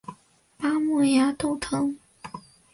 巴莫崖豆藤